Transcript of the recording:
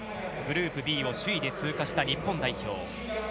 グループＢを首位で通過した日本代表。